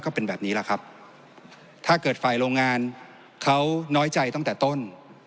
ก็เป็นแบบนี้แหละครับถ้าเกิดฝ่ายโรงงานเขาน้อยใจตั้งแต่ต้น